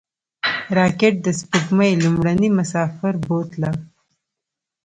راکټ د سپوږمۍ لومړنی مسافر بوتله